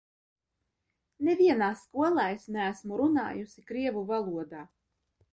Nevienā skolā es neesmu runājusi krievu valodā.